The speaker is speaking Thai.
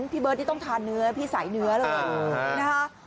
พี่เบิร์ดเนี่ยต้องทานเนื้อพี่สายเนื้อและด้วย